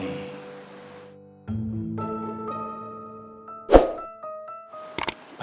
bapak tau mama belum tidur